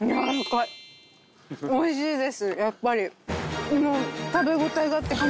おいしいですやっぱり。